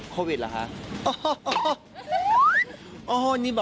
ก็รอติดตามกันนะครับ